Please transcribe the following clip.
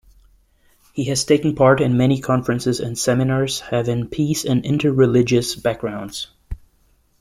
He has taken part in many conferences and seminars, having peace and inter-religious backgrounds.